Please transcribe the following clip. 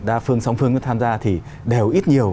đa phương song phương tham gia thì đều ít nhiều